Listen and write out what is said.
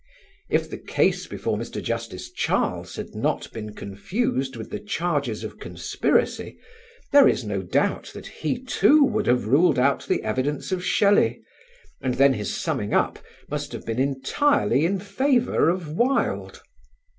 If the case before Mr. Justice Charles had not been confused with the charges of conspiracy, there is no doubt that he too would have ruled out the evidence of Shelley, and then his summing up must have been entirely in favour of Wilde.